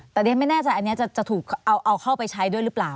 แต่เรียนไม่แน่ใจอันนี้จะถูกเอาเข้าไปใช้ด้วยหรือเปล่า